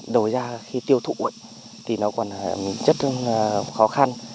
đầu ra khi tiêu thụ thì nó còn rất khó khăn